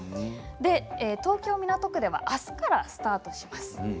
東京・港区ではあすからスタートします。